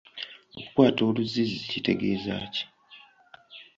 Okukwata oluzzizzi kitegeeza ki?